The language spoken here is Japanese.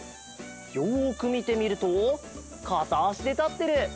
よくみてみるとかたあしでたってる。